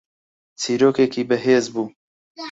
چیرۆکێکی بەهێز بوو